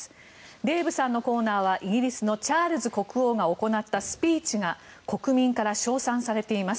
デーブさんのコーナーはイギリスのチャールズ国王が行ったスピーチが国民から称賛されています。